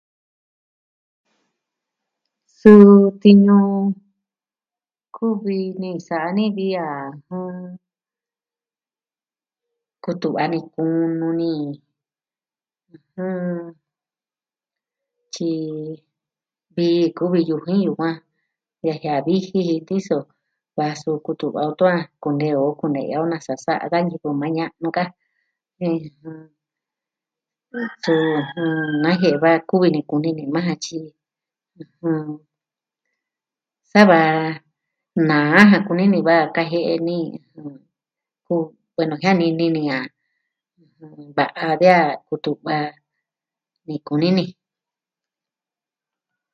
Suu tiñu kuvi ni sa'a ni vi a kutu'va ni kunu ni tyi vii kuvi yujin, yukuan. De a jie'e a viji ma ti'in so va kutu'va o de a kunee o kune'ya o nasa sa'a da ñivɨ maa ña'nu ka ɨjɨn... Suu najiee va kuvi ni kuni ni maa ja tyi. ka sava naa ja kuni ni va kajie'e ni, vueno, jianini ni a va'a de a kutu'va kuni ni.